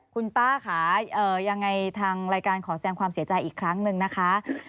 คุณป้าค่ะยังไงทางรายการขอแสดงความเสียใจอีกครั้งหนึ่งนะคะ